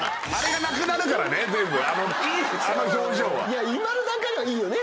いや今の段階ではいいよね